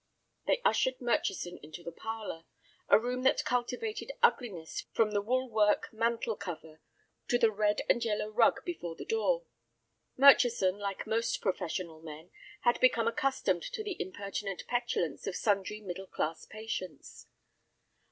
They ushered Murchison into the parlor, a room that cultivated ugliness from the wool work mantel cover to the red and yellow rug before the door. Murchison, like most professional men, had become accustomed to the impertinent petulance of sundry middle class patients.